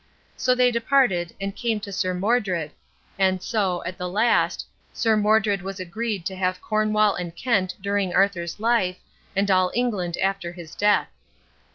So they departed, and came to Sir Modred; and so, at the last, Sir Modred was agreed to have Cornwall and Kent during Arthur's life, and all England after his death.